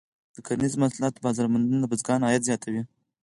د کرنیزو محصولاتو بازار موندنه د بزګرانو عاید زیاتوي.